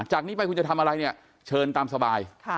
จากนี้ไปคุณจะทำอะไรเนี่ยเชิญตามสบาย